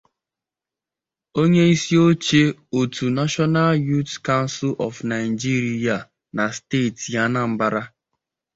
onyeisioche òtù 'National Youths Council of Nigeria' na steeti Anambra